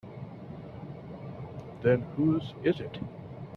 Then whose is it?